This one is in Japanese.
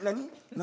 何？